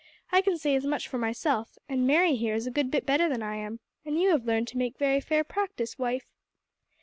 I can say as much for myself, and Mary here is a good bit better than I am, and you have learned to make very fair practice, wife."